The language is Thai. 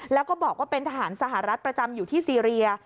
แล้วก็บอกว่าเป็นทหารสหรัฐประจำอยู่ที่ซีเรีย